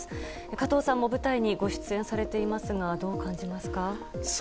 加藤さんも舞台にご出演されていますがどう感じますか。